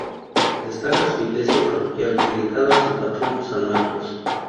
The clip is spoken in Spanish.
Destaca su Iglesia parroquial dedicada a su patrón, San Marcos.